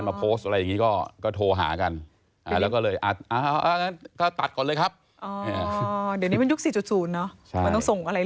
มันต้องส่งอะไรเร็วเนาะ